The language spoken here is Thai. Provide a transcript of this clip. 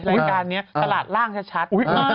รายการนี้ตลาดร่างชัด